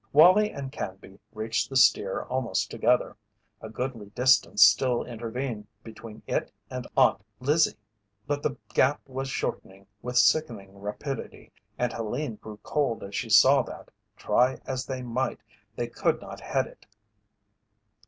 Wallie and Canby reached the steer almost together. A goodly distance still intervened between it and Aunt Lizzie, but the gap was shortening with sickening rapidity and Helene grew cold as she saw that, try as they might, they could not head it.